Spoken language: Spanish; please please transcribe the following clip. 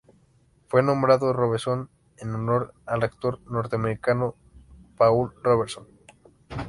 Fue nombrado Robeson en honor al actor norteamericano Paul Robeson.